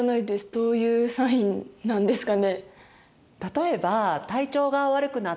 どういうサインなんですかね？